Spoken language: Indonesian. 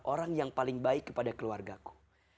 orang yang paling baik kepada keluarga ku